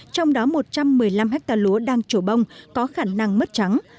trong đó một trăm một mươi năm hectare lúa đang trổ bông có khả năng mất trắng